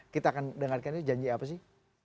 kita akan dengarkan ini janji apa sih